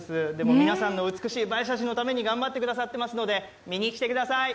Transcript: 皆さんの美しい映え写真のために頑張っているので見にきてください！